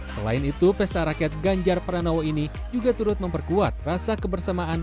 selain itu pesta rakyat ganjar pranowo ini juga turut memperkuat rasa kebersamaan